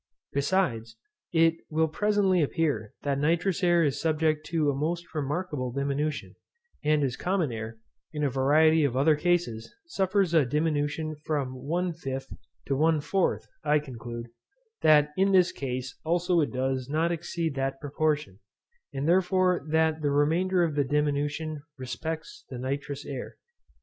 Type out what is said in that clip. Besides, it will presently appear, that nitrous air is subject to a most remarkable diminution; and as common air, in a variety of other cases, suffers a diminution from one fifth to one fourth, I conclude, that in this case also it does not exceed that proportion, and therefore that the remainder of the diminution respects the nitrous air.